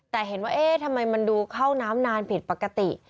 แต่เห็นว่าเอ๊ะทำไมมันดูเข้าน้ำนานผิดปกติ